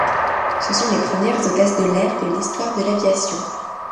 Ce sont les premières hôtesses de l'air de l'histoire de l'aviation.